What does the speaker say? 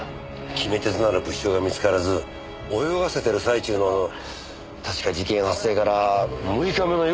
決め手となる物証が見つからず泳がせてる最中の確か事件発生から６日目の夜でした。